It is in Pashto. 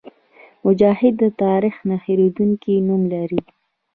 مجاهد د تاریخ نه هېرېدونکی نوم لري.